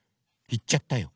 いっちゃったよ。